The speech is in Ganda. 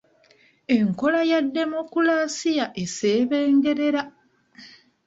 Enkola ya demokulasiya esebengerera.